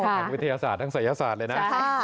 ทางวิทยาศาสตร์ทั้งศัยศาสตร์เลยนะ